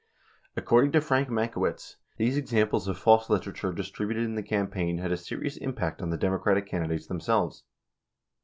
According to Frank Mankiewicz, these examples of false literature distributed in the campaign had a serious impact on the Democratic candidates themselves.